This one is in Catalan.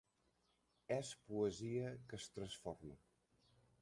És poesia que es transforma.